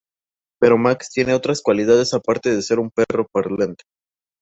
Pero Max tiene otras cualidades aparte de ser un perro parlante.